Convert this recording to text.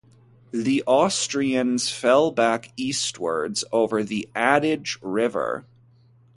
The Austrians fell back eastwards over the Adige River.